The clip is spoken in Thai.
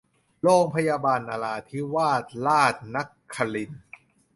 โรงพยาบาลนราธิวาสราชนครินทร์